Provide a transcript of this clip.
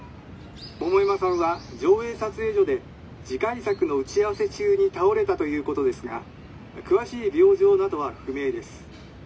桃山さんは条映撮影所で次回作の打ち合わせ中に倒れたということですが詳しい病状などは不明です。